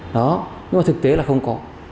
đó nhưng mà thực tế là không có